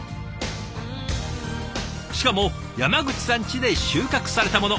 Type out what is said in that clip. しかも山口さんちで収穫されたもの。